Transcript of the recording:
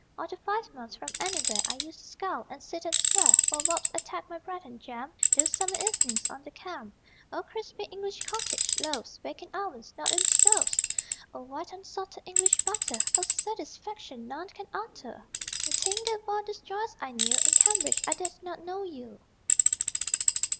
Or to Five Miles from Anywhere I used to scull; and sit and swear While wasps attacked my bread and jam Those summer evenings on the Cam. (O crispy English cottage loaves Baked in ovens, not in stoves! O white unsalted English butter O satisfaction none can utter!)... To think that while those joys I knew In Cambridge, I did not know you.